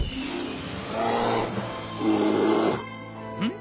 ん？